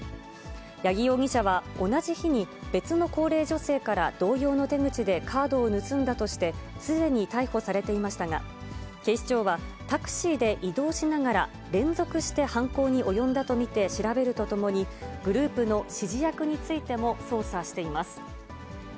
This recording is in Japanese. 八木容疑者は同じ日に別の高齢女性から同様の手口でカードを盗んだとして、すでに逮捕されていましたが、警視庁はタクシーで移動しながら、連続して犯行に及んだと見て調べるとともに、グループの指示役についても捜査しています。